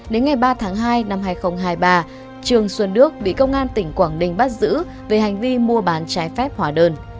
đến ngày ba tháng hai năm hai nghìn hai mươi ba trường xuân đức bị công an tỉnh quảng ninh bắt giữ về hành vi mua bán trái phép hóa đơn